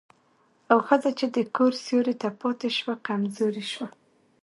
او ښځه چې د کور سيوري ته پاتې شوه، کمزورې شوه.